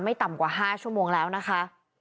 ต่ำกว่า๕ชั่วโมงแล้วนะคะ